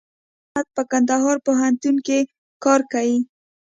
زبير احمد په کندهار پوهنتون کښي کار کيي.